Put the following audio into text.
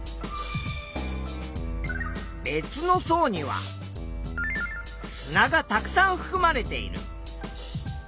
別の層には砂がたくさんふくまれている。